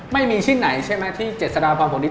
ไม่มีชิ้นไหนใช่ไหมที่เจ็ดสดาบความผลิต